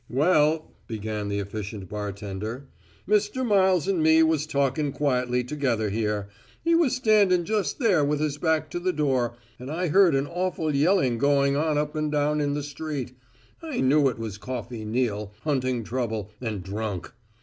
"Well," began the efficient bartender, "Mr. Miles and me was talking quietly together here; he was standing just there with his back to the door, and I heard an awful yelling going up and down in the street. I knew it was Coffey Neal, hunting trouble, and drunk.